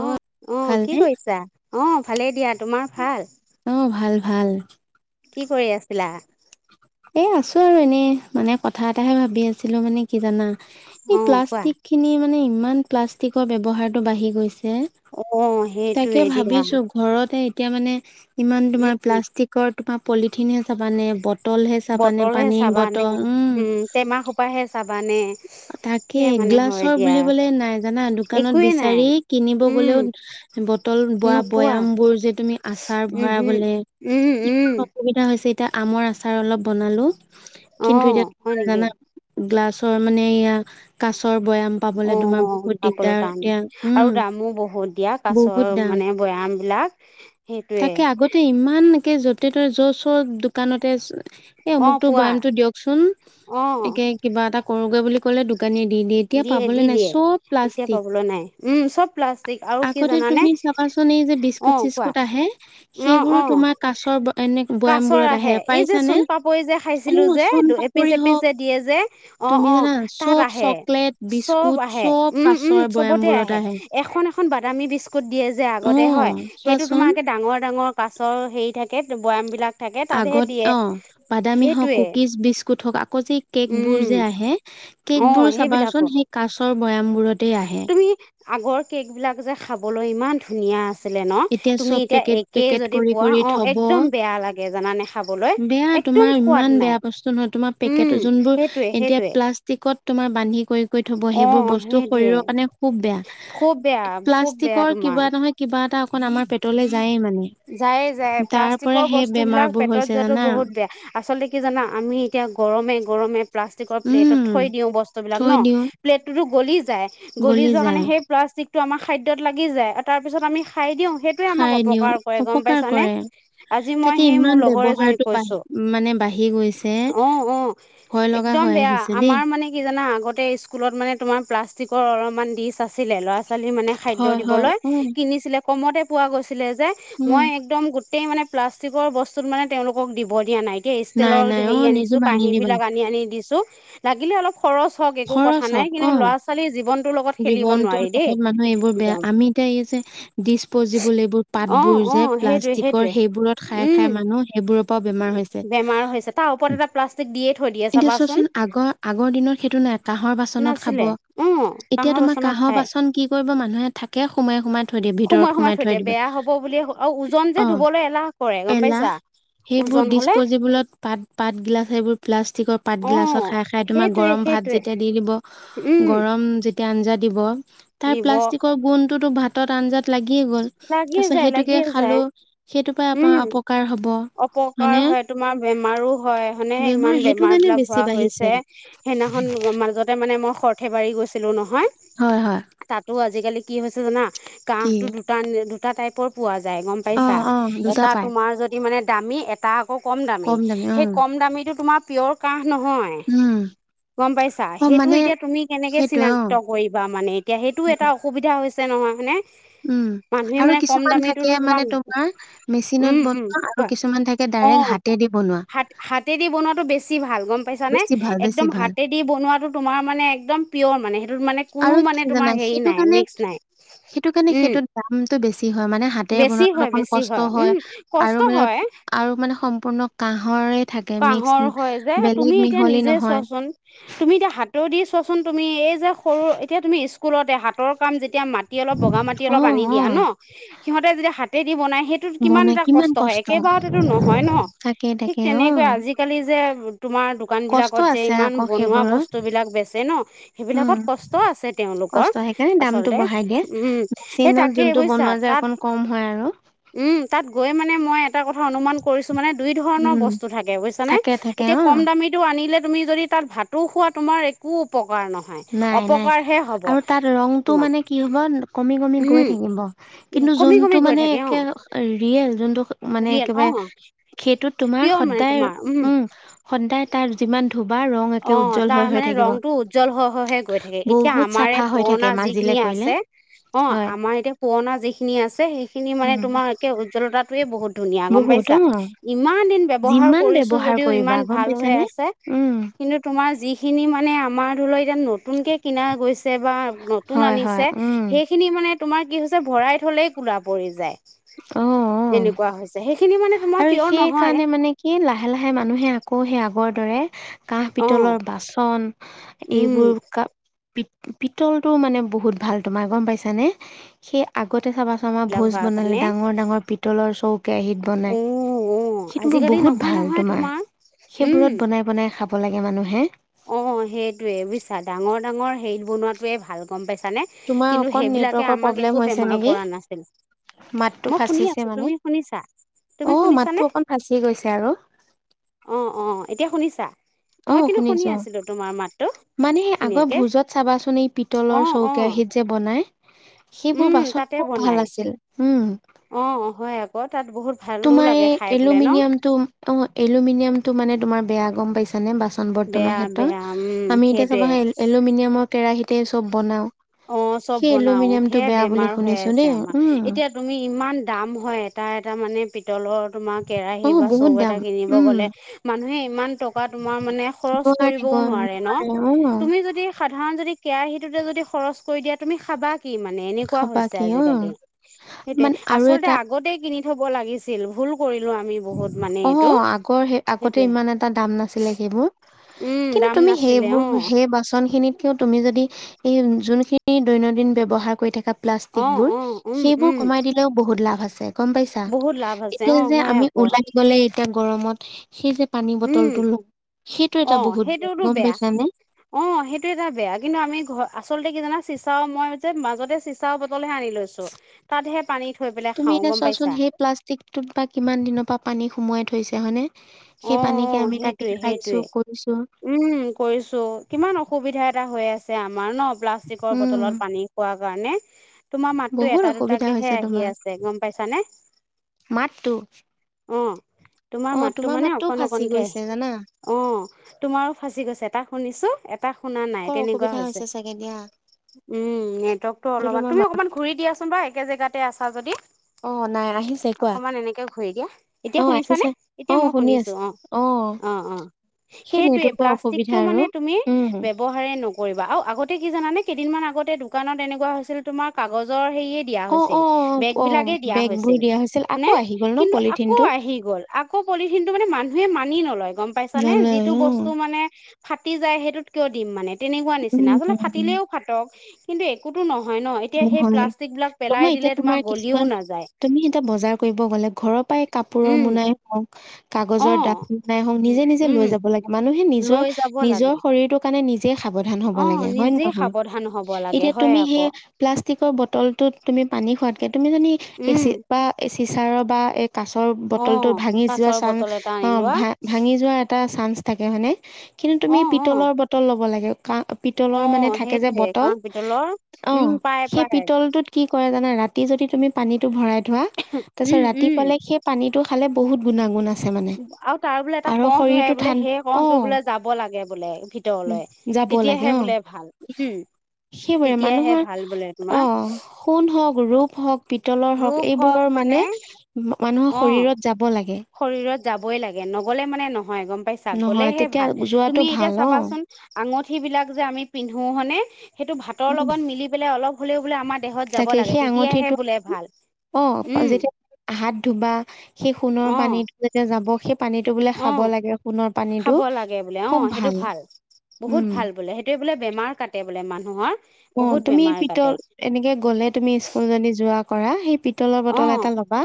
অ', অ কি কৰিছা? অহ ভালেই দিয়া তোমাৰ ভাল? অহ, ভাল ভাল। কি কৰি আছিলা? এই আছো আৰু এনেই। মানে কথা এটাহে ভাবি আছিলো, মানে কি জানা? এই অ কোৱা প্লাষ্টিক খিনি মানে, ইমান প্লাষ্টিকৰ ব্যৱহাৰ তো বাঢ়ি গৈছে। চে, অ তাকে সেইটোৱে দিয়া ভাবিছো ঘৰতে এতিয়া মানে ইমান উম তোমাৰ প্লাষ্টিকৰ তোমাৰ পলিথিনে চাবানে, ব বটলহে চাবানে, উম, টেমা খোপা হে চাবানে তাকে কে মানে হয় গ্লাছৰ দিয়া বুলিবলে নাই জানা। দোকানত একোৱে নাই বিচাৰি কিনিব উম গ'লেও বোৱা নোপোৱা বয়াম বোৰ যে তুমি আচাৰ উমহো ভৰাবলে উম উম অসুবিধা হয়। পিছে আমৰ আচাৰ অলপ বনালো অ কিন্তু এতিয়া হয় তোমাৰ নেকি জনা গ্লাছ। মানে এয়া কাছৰ পাবলে তোমাৰ অ' বহুত দিগদাৰ পাবলেতান এতিয়া আৰু উম দামো বহুত দিয়া বহুত কাছৰ দাম মানে বয়াম। বিলাক, সেইটোৱে। কি য'তে তই য চ' দোকানতে। এ' অ অমুক টো পোৱা বৈয়ামতটো দিয়কচোন, অ একে কিবা এটা কৰোগৈ বুলি ক'লে দু দিয়ে দি দিয়ে। এতিয়া প্লাষ্টিক পাবলৈ নাই উম চব প্লাষ্টিক। আৰু কি আগতে জানানে তুমি চাবাচোন এই যে বিস্কুট অ' কোৱা। চিস্কুট আহে অহ, সেইবোৰো অহ, তোমাৰ কাছৰ ব- এনে কাছৰ বৈয়ামবোৰত আহে। এই যে পাইছানে চোণ পাপৰি যে, অ খাইছিলো যে চোন এপিচ পাপৰি এপিচ হওক যে, দিয়ে যে, অ', তুমি অ জানা তাত চব আহে। চকলেট, চব বিস্কুট আহে। চব উম উম কাছৰ চবতে বৈয়ামবোৰত আহে, এখন এ এখন বাদামী বিস্কুট দিয়ে যে আগতে হয়। অ', সেইটো চোৱাচোন তোমাৰে ডাঙৰ-ডাঙৰ পাছৰ হেৰি থাকে, বৈয়ামবিলাক আগত অ বাদামী হওঁক কুকিজ বিস্কুট হওঁক আকৌ যে কেকবোৰ উম যে আহে অ কেকবোৰ সেইবিলাকো চাবাচোন সেই কাছৰ বৈয়ামবোৰতেই আহে। তুমি আগৰ কেকবিলাক যে খাবলৈ ইমান ধুনীয়া আছে। আ ন তুমি চব এতিয়া পেকেট একেই পেকেট যদি কৰি পোৱা কৰি অ থব একদম বেয়া লাগে জানানে খাবলৈ। বেয়া একদম তোমাৰ সোৱাদ ইমান নাই বেয়া বস্তু নহয়। তোমাৰ পেকেট উম যোনবোৰ সেইটোৱে এতিয়া সেইটোৱে প্লাষ্টিকত তোমাৰ বান্ধি কৰি কৰি থব অ সেই বোৰ বস্তু সেইটোৱে শৰীৰৰ কাৰণে খুব বেয়া খুব বেয়া খুব পেলাষ্টি বেয়া কৰ তোমাৰ কিবা নহয় কিবা এটা খন আমাৰ পেটলৈ যায়ে মানে। যায়, যায়। তাৰ পৰা প্লাষ্টিকৰ সেই বস্তু বিলাক বেমাৰবোৰ পেটত হৈছে যোৱাাতো জানা বহুত বেয়া। আচলতে কি জানা আমি এতিয়া গৰম গৰমে প্লাষ্টিক উম পেলেটত থয়দিও বস্তু বিলাক থৈ ন দিওঁ পেলেট টো গলি গলি যোৱা কাৰণে সেই প্লাষ্টিকটো আমাৰ খাদ্যত লাগি যায়, আৰু তাৰপিছত আমি খাই দিও সেইটোৱে আমাক খাই দিওঁ অপকাৰ কৰে গম অপকাৰ পাইছানে। কৰে আজি মই তাকে সেই মোৰ ইমান লগৰ এজনীক ব্যৱহাৰটো বাঢ়ি কৈছো। মানে বাঢ়ি গৈছে অ'অ, ভয় লগা একদম হৈ বেয়া। আহিছে দেই আমাৰ মানে কি জানা আগতে স্কুল মান তোমাৰ প্লাষ্টিকৰ অলমান দিছ আছিলে লৰা ছোৱালী মানে খাদ্য হয় হয় দিবলৈ উম কিনিছিলে কমতে পোৱা গৈছিলে যে, উম মই একদম গোটেই মানে প্লাষ্টিকৰ বস্তুত মানে তেওঁলোকক দিব দিয়া নাই। নাই ষ্টলৰ নাই অ হেৰি আনিছো নিদিবা কাহী নিদিবা বিলাক আনি আনি দিছো। লাগিলে অলপ খৰচ হওক একো কথা নাই। কিন্তু, ল'ৰা-ছোৱালী জীৱন জীৱনতটো লগত মানুহে এইবোৰ বেয়া একদম আমি এতিয়া যে ডিচপ'জিবল এইবোৰ অ পাতবোৰ অ যে সেইটোৱে প্লাষ্টিকৰ সেইটোৱে সেইবোৰত খাই উম খাই মানুহ সেইবোৰৰ পৰাও বেমাৰ হৈছে। বেমাৰ হৈছে তাৰ ওপৰত এটা প্লাষ্টিক দিয়ে থৈ দিয়ে এতিয়া চাবাচোন চোৱাচোন আগৰ আগৰ দিনৰত সেইটো নাই কাঁহৰ বাচনত খাব নাছিলে অ এতিয়া কাঁহৰ তোমাৰ বাচনত কাহৰ খায় বাচন কি কৰিব মানুহে থাকে সোমাই সোমাই থৈ দে ভিতৰত সোমাই থৈ দিবা। অ ওজন যে ধুবলৈ এলাহ কৰে গম পাইছা। সেইবোৰ ওজন হলে ডিচপজেবলত পাত পাত গিলাচ সেইবোৰ প্লাষ্টিকৰ পাত অ গিলাচত খাই খাই তোমাৰ সেইটোৱে গৰম ভ ভাত সেইটোৱে যেতিয়া দি দিব উম গৰম যেতিয়া আঞ্জা দিব তাৰ দিব প্লাষ্টিকৰ গুণতো ভাতত আঞ্জা লাগিয়ে গ'ল তাৰ লাগিয়ে পিছত যায় সেইটোকে লাগিয়ে যায় খালো সেইটোৰ পৰা উম আমাৰ অপকাৰ হব অপকাৰ হয়নে। হয় তোমাৰ বেমাৰো হয় হয়নে ইমান সেইটো বেমাৰ কাৰণে বিলাক বেছি হোৱা বাঢ়িছে হৈছে সেইদিনাখন মাজত ততে মানে মই সৰ্থেবাৰী গৈছিলো নহয় হয় হয় তাতো আজিকালি কি হৈছে জানা কাহ। কি দুটা দুটা টাইপৰ পোৱা যায় গম অ পাইছা অ দুটা এটা পাই তোমাৰ যদি মানে দামী এটা আকৌ কম দামী সেই কম দামীটো তোমাৰ পিয়ৰ কাহ নহয়। উম গম পাইছা অ সেইটো মানে এতিয়া তুমি কেনেকে সেইটোৱে অ চিনাক্ত কৰিবা মানে এতিয়া সেইটোও উম এটা অসুবিধা হৈছে। ছে নহয় হয়নে। উম মানুহে আৰু মানে কম কিছুমান দামীটোতো থাকে মানে তোমাক তোমাৰ মেচিনত বনোৱা আৰু কিছুমান থাকে ডাইৰেক্ট অহ হাতেদি বনোৱা। হাতেদি বনোৱাতটো বেছি ভাল গম পাইছা নে বেছি ভাল, বেছি একদম ভাল। হাতে দি বনোৱাটো তোমাৰ মানে একদম পিয়ৰ মানে, মানে কোনো আৰু কি মানে তোমাৰ জানা? হেৰি সেইটো নাই মিক্স নাই উম দামতটো বেছি হয় মানে হাতেৰে বেছি বনাওতকে হয় অকমান বেছি কষ্ট হয় উম আৰু কষ্ট মানে হয় আৰু মানে সম্পূৰ্ণ কাহৰে কাহৰ হয় যে তুমি এতিয়া নিজে নহয়। চোৱাচোন তুমি এতিয়া হাতৰ দি চোৱা চোন তুমি এই যে সৰু এতিয়া তুমি স্কুলতে হাতৰ কাম যে তেতিয়া মাটি অলপ বগা মাটি অ', অলপ আনি দিয়া ন, অ', সিহঁতে যেতিয়া হাতে দি বনাই সেইটোত কিমান এটা কষ্ট হয় একেবাৰতে নহয় ন তাকে, ঠিক তাকে তেনে অ'। আজিকালি যে তোমাৰ দোকান কষ্ট বিলাকত যে আছে ইমান আকৌ বনোৱা সেইবোৰত। বস্তুবিলাক বেচে ন উম, সেইবিলাকত কষ্ট আছে তেওঁলোকৰ কষ্ট সেইকাৰণে দামটো আচলতে উম সেই তাকেই বুছা মাজে কম হয় আৰু উম তাত গৈ মই এটা কথা অনুমান কৰিছোঁ মানে দুই উম, ধৰণৰ বস্তু থাকে বুজিছা থাকে থাকে নে অ, কম দামি টো। আনিলে তুমি যদি তাত ভাতো খোৱা তোমাৰ একো উপকাৰ নহয় নাই নাই অপকাৰহে হ'ব আৰু তাত ৰংটো তোমাৰ মানে কি হব কমি কমি গৈ উম থাকিব। কিন্তু কমি যোনটো কমি গৈ মানে থাকে অ একে ৰিয়েল যোনটো মানে ৰিয়েল অ একেবাৰে সেইটোত তোমাৰ পিয়ৰ মানে সদায় তোমাৰ উম সদায় তাৰ যিমান ধুবা ৰং একে অ উজ্জ্বল হৈ তাৰ হৈ মানে থাকিব। ৰং টো উজ্জ্বল হয়। হে গৈ থাকে এতিয়া বহুত আমাৰে চাফা হৈ থাকে পুৰণা মাজিলে যিখিনি কৰিলে আছে অ হয়। আমাৰ এতিয়া পুৰণা যিখিনি খিনি আছে সেইখিনি মানে উম, তোমাৰে উজ্জ্বলতাটোয়ে বহুত ধুনীয়া, গম বহুত পাইছা? অ, ইমান ব্যবহাৰ যিমান কৰিছো ব্যৱহাৰ যদিও কৰিবা ইমান গম ভাল হৈ পাইছানে? আছে। উম, কিন্তু তোমাৰ যিখিনি মানে আমাৰ ধৰি লোৱা নতুনকে কিনা গৈছে বা নতুন হয় হয় আনিছে উম, সেইখিনি মানে তোমাৰ কি হৈছে ভৰাই থলেই কোলা পৰি যায়। অ এনেকুৱা হৈছে সেইখিনি মানে তোমাৰ আৰু পিয়ৰ সেই নহয় কাৰণে মানে কি লাহে লাহে মানুহে আকৌ আকৌ সি আগৰ দৰে কাঁহ অ পিতলৰ বাচন উম এইবোৰ ক পিতলটোও মানে বহুত ভাল তোমাৰ গম পাইছানে সেই আগতে চাবাচোন আমাৰ বিলাক ভোজ হোৱাৰ বনালে কাৰণে ডাঙৰ ডাঙৰ পিতলৰ চৌ - কেৰাহীত বনাই উ অ সেইটো মোৰ আজিকালি বহুত নহয় ভাল নহয় তোমাৰ উম সেইবোৰত বনাই বনাই খাব। খাব লাগে মানুহে। অ সেইটো য়ে বুজিছা ডাঙৰ ডাঙৰ হেইত বনোৱাটোৱে ভাল গম পাইছ। কানে তোমাৰ কিন্তু অকণ সেইবিলাকে নেটৱৰ্কৰ আমাক প্ৰব্লেম একো হৈছে বেমাৰ নেকি কৰা নাছিল। মাতটো মই শুনি ফাঁচিছে আছো মানে। তুমি শুনিছা? তুমি অ শুনিছানে মাতটো অকন ফাঁচি গৈছে আৰু অ অ এতিয়া শুনিছা মই অ' কিন্তু শুনি শুনিছো। আছিলো তোমাৰ মাত। মানে সেই আগৰ ভোজত চাবাচোন এই অ পিতলৰ চৌ অ কেৰাহীত যে বনাই সেইবোৰ উম বাছন তাতে খুব ভাল বনাই আছিল। উম অ অ হয় আগত। তোমাৰ এই এলুমিনিয়াম টো অ এলুমিনিয়াম টো মানে তোমাৰ বেয়া গম পাইছে? মানে বাচন বৰ্তনৰ বেয়া বেয়া উম ক্ষেত্ৰত। আমি এতিয়া সেইটোৱে চাবা এলুমিনিয়ামৰ কেৰাহীতে চব বনাওঁ। অ চব বনাও সেয়য়া বেমাৰ হৈ শুনিছো আছে দেই আমাৰ। উম এতিয়া তুমি ইমান দাম হয় এটা এটা মানে তমাৰ অ কেৰাহী বা বহুত চৰু এটা দাম কিনিব উম গলে, মানুহে ইমান টকা তোমাৰ মানে খৰচ কৰিব। ক তুমি যদি সাধাৰণ যদি কেৰাহীটোতে যদি খৰচ কৰি দিয়া তুমি খাবা। কি মানে এনেকুৱা খাবা হৈছে কি অ আজিকালি। সেইটোৱেই মানে আৰু আচলতে এটা আগতে কিনি থ'ব লাগিছিল ভুল কৰিলো আমি বহুত মানে অ এইটো আগৰ সেই আগতে সেইটোৱে ইমান এটা দাম নাছিলে সেইবোৰ। উম কিন্তু দাম তুমি নাছিলে সেইবোৰ অ সেই বাচন খিনিতকে তুমি যদি এই যোনখিনি দৈনন্দিন ব্যৱহাৰ কৰি থকা অ প্লাষ্টিকবোৰ। অ উম সেইবোৰ উম কমাই দিলও বহুত লাভ আছে, গম পাইছা? বহুত লাভ আছে এতিয়া অ যে হয় আমি আকৌ ওলাই গলে এতিয়া গৰমত সেই যে পানী উম বটলটো লওঁ সেইটো অ এটা বহুত সেইটোতো গম বেয়া পাইছানে? অহঁ সেইটো এটা বেয়া কিন্তু আমি ঘৰত আচলতে কি জানা চিচাও মই যে মাজতে চিচাও বটল হে আনি লৈছো। তাতহে পানী থৈ পেলাই তুমি খাও এতিয়া গম চোৱাচোন পাইছা। সেই প্লাষ্টিকটোত বা কিমান দিনৰ পৰা পানী সোমোৱাই থৈছে হয় নে? অহ অহ সেইটোৱে কৰিছো সেইটোৱে উম কৰিছো কিমান অসুবিধা এটা হৈ আছে। আছে আমাৰ ন প্লাষ্টিকৰ উম বটলত পানী খোৱাৰ কাৰণে। তোমাৰ মাততো বহুত এটা অসুবিধা দুটাকেহে হৈছে আহি তোমাৰ। আছে গম পাইছানে? মাতটো অ তোমাৰ অ মাতটো মানে মাতটোও অকণ ফাঁচি অকণকে গৈছে জানা আহি অহঁ। তোমাৰো ফাঁচি গৈছে এটা শুনিছো এটা শুনা নাই কৰ তেনেকুৱা অসুবিধা হৈছে। চাগে দিয়া। উম নেটৱৰ্কটো সেইটো অলপমান তোমাৰ মা তুমি অকমান ঘূৰি দিয়াচোন বা একে জেগাতে আছা যদি। অ' নাই আহিছে কোৱা অকমান এনেকে ঘূৰি দিয়া। এতিয়া অ' শুনিছানে? আহিছে এতিয়া অ' মই শুনি শুনিছো আছো অ অ অ সেই সেইটোয়ে নেটৱৰ্কৰ অসুবিধা প্লাষ্টিকটো আৰু মানে তুমি উম ব্যৱহাৰ নকৰিবা আৰু আগতে কি জানানে কেইদিনমান আগতে দোকানত এনেকুৱা হৈছিল তোমাৰ কাগজৰ হেৰিয়ে দিয়া অ' অ' হৈছিল, অ' বেগ অ' বিলাকে দিয়া বেগবোৰ হৈছিল। দিয়া হয় আকৌ নে? আহি গ'ল ন কিন্তু আকৌ পলিথিনটো আহি গ'ল। আকৌ পলিথিন টো মানে মানুহে মানি নলয় গম পাইছা নে নলয় যিটো অ' বস্তু মানে ফাটি যায় সেইটোত কিয় দিম মানে তেনেকুৱা নিচিনা উম আচলতে ফাটিলেও ফাটক কিন্তু একোতো নহয়। ন এতিয়া সেই নহয় প্লাষ্টিক বিলাক পেলাই নহয় দিলে এতিয়া তোমাৰ গলিও কিছুমান নাযায় তুমি এতিয়া বজাৰ কৰিব গলে ঘৰত পাই কাপোৰৰ উম মোনাই হওঁক অ কাগজৰ দাঠ মোনাই হওঁক নিজে নিজে উম লৈ যাব লাগে। ইমান লৈ যাব লাগে নিজৰ শৰীৰটোৰ কাৰণে নিজে যে সাৱধান হ'ব অ লাগে হয় নে নিজে নহয়? সাৱধান হব লাগে এতিয়া হয় তুমি আকৌ সেই প্লাষ্টিক বটলটোত তুমি পানী খোৱাতকে তুমি যদি উম এচি বা এ চিচাৰৰ বা কাছৰ অ বটলটো ভাঙি যোৱা কাছৰ চান্স বটল এটা অ আনি লোৱা ভা ভাঙি যোৱা এটা চান্স থাকে হয়নে কিন্তু তুমি অ অ পিতলৰ বটল ল'ব লাগে। কা অ পিতলৰ মানে থাকে যে সেইটোয়ে বটল কাঁহ পিতলৰ উম অহঁ। পাই সেই পাই পিতলটোত কি কৰে জানা ৰাতি যদি তুমি পানীটো ভৰাই থোৱা তাৰ পিছত উম ৰাতি উম পালে সেই পানী ত খালে বহুত গুণাগুণ আছে। মানে আৰু তাৰ বোলে এটা আৰু কঢ় ধৰে শৰীৰটো বোলে ঠান সেই অ কঢ় বোলে যাব লাগে বোলে ভিতৰলৈ যাব লাগে তেতিয়াহে অ বোলে ভাল উম। সেইবোৰে তেতিয়াহে মানুহৰ, ভাল বোলে অ তোমাৰ সোণ হওক ৰূপ হওক। পিতলৰ হওক এইবোৰৰ মানে, মানুহৰ অ শৰীৰত যাব লাগে। শৰীৰত যাবই লাগে নগলে মানে নহয়। হয় গম পাইছা নহয় গ'লেহে তেতিয়া ভাল যোৱাটো তুমি এতিয়া ভাল অ চাবাচোন, আঙুঠি বিলাক যে আমি পিন্ধো হয়নে। সেইটো ভাতৰ লগত মিলি পেলাই অলপ হ'লেও বোলে আমাৰ দেহত যাব তাকে লাগে সেই তেতিয়াহে আঙুঠিটো বোলে ভাল অ উম যেতিয়া, হাত ধুবা সেই সোণৰ অ পানীত যেতিয়া যাব সেই পানীটো বোলে অ খাব লাগে। সোণৰ পানীটো খাব লাগে, বোলে অ সেইটো ভাল বহুত উম ভাল বোলে সেইটো বোলে বেমাৰ কাটে। বোলে মানুহৰ। অ বহুত তুমি বেমাৰ কাটে পিতল এনেকে গ'লে তুমি স্কুল যদি যোৱা কৰা সেই। পিতলৰ অ বটল এটা ল'বা,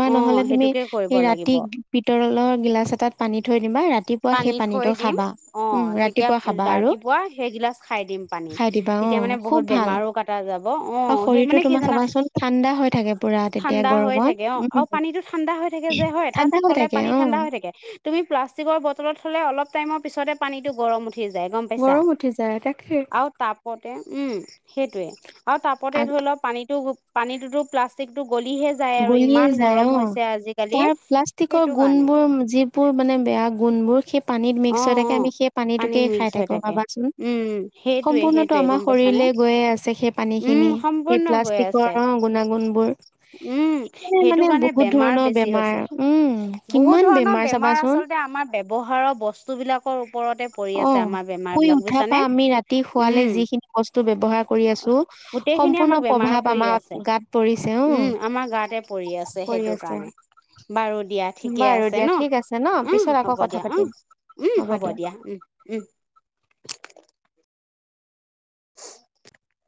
বা অ নহলে তুমি সেইটোকে কৰিব সে লাগিব ৰাতি পিতল। গিলাচ এটাত পানী থৈ দিবা ৰাতি। পানী থৈ দিম, অ তেতিয়া ৰাতিপুৱা খাবা আৰু ৰাতিপুৱা সেইগিলাচ খাই দিম পানী। খাই দিবা অ তেতিয়া মানে খুব বহুত ভাল বেমাৰো কটা যাব আৰু অহ সেই শৰীৰটো মানে কি তোমাৰ জানা। চাবাচোন ঠাণ্ডা হৈ থাকে পুৰা তেতিয়া ঠাণ্ডা হৈ গৰমত থাকে অহ উম আৰু পানীটো ঠাণ্ডা হৈ থাকে যে হয় তাত ঠাণ্ডা হৈ থলে থাকে পানী অ ঠাণ্ডা হৈ থাকে তুমি প্লাষ্টিকৰ বটল তলত থলে অলপ টাইমৰ পিছতে পানীটো গৰম উঠে। উঠি যায় গম পাইছা, গৰম উঠি যায় তাকে আৰু তাপতে ওহ, সেইটোৱে আৰু তাপতে ধৰি লওক পানীটো পানীটোতো প্লাষ্টিকটো গলিহে যায় আৰু গলিয়ে ইমান যায় গৰম অ, হৈছে আজিকালি তাৰ প্লাষ্টিকৰ সেইটো কাৰণে গুণবোৰ যিবোৰ মানে বেয়া গুণবোৰ সে পানীত অ মিক্স হৈ অ থাকে আমি সেই পানীটোকে পানীত খাই মিক্স হৈ থাকো থাকে ভাবাচোন। উম সেইটোৱে সম্পূৰ্ণতটো সেইটোৱে আমাৰ গম পাইছানে শৰীৰলে গৈয়ে আছে সেই পানী উম খিনি। সেই সম্পূৰ্ণ গৈ প্লাষ্টিকৰ আছে গুণাগুণ বোৰ। উম সেই সেইটো মানে কাৰণে বহুত বেমাৰ ধৰণৰ বেছি বেমাৰ। হৈছে উম, কিমান বেমাৰ চাবাচোন। ৱহাৰৰ বস্তু স্তুবিলাকৰ ওপৰতে পৰি আছে অ', আমাৰ বেমাৰ শুই বিলাক উঠাৰ বুইছানে? পৰা আমি ৰাতি শুৱালে উম। যিখিনি বস্তু ব্যৱহাৰ কৰি আছো গোটেইখিনিয়ে সম্পূৰ্ণ আমাক বেমাৰ প্ৰভাৱ কৰি আমাৰ আছে, গাত পৰিছে উম, অ', আমাৰ গা পৰি আছে পৰি সেইটো আছে কাৰণে, বাৰু দিয়া। ঠিকে বাৰু আছে দিয়া ন? ঠিক আছে ন' উম, পিছত আকৌ হ'ব কথা দিয়া, অ। পাতিম উম হ'ব দিয়া। উম উম। [unintelligible]